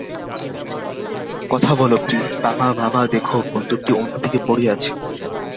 কথা বল প্লিজ, বাবা বাবা দেখো, বন্দুকটি অন্য দিকে পড়ে আছে।